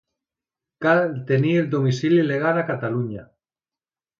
Cal tenir el domicili legal a Catalunya.